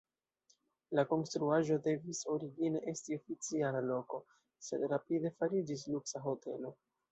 La konstruaĵo devis origine esti oficiala loko, sed rapide fariĝis luksa hotelo.